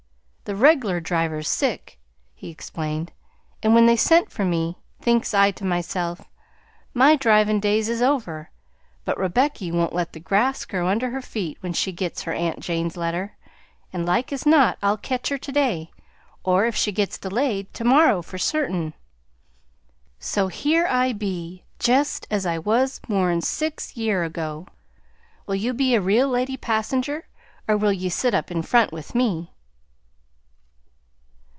"The reg'lar driver 's sick," he explained, "and when they sent for me, thinks I to myself, my drivin' days is over, but Rebecky won't let the grass grow under her feet when she gits her aunt Jane's letter, and like as not I'll ketch her to day; or, if she gits delayed, to morrow for certain. So here I be jest as I was more 'n six year ago. Will you be a real lady passenger, or will ye sit up in front with me?"